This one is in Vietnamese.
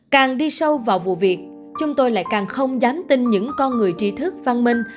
càng đi sâu vào vụ việc chúng tôi lại càng không dám tin những con người trí thức văn minh